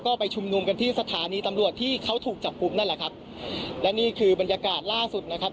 ก็ไปชุมนุมกันที่สถานีตำรวจที่เขาถูกจับกลุ่มนั่นแหละครับและนี่คือบรรยากาศล่าสุดนะครับ